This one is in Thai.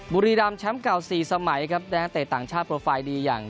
บุรีรำแชมป์เก่าสี่สมัยครับแดงเตะต่างชาติโปรไฟล์ดีอย่าง